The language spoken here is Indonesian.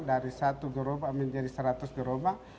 dari satu gerobak menjadi seratus gerobak